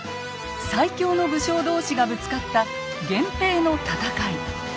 最強の武将同士がぶつかった源平の戦い。